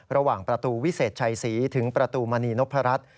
ระหว่างประตูวิเศษไฉซีถึงประตูมะนีนพระรัฐ